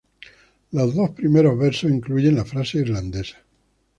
Los dos primeros versos incluyen la frase irlandesa.